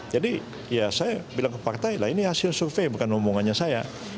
jadi ya saya bilang ke partai lah ini hasil survei bukan ngomongannya saya